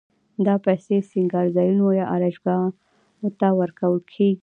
دا پیسې سینګارځایونو یا آرایشګاوو ته ورکول کېږي